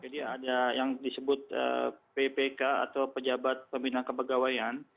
jadi ada yang disebut ppk atau pejabat pembinaan kempegawaian